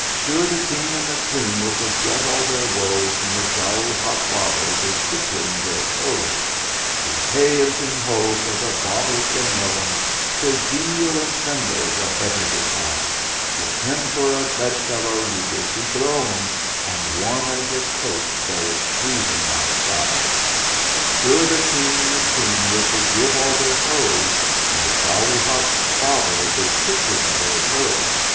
Sure the King and the Queen Will forget all their woes When the jolly hot bottle Is tickling their toes! "Sing hey ! and sing ho ! for the bottle so knowing, So genial and friendly whatever betide ; With him for a bedfellow you will be glowing And warm as a toast though it's freezing out side. Sure the King and the Queen Will forgive all their foes When the jolly hot bottle Is tickling their toes!"